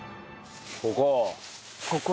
ここ？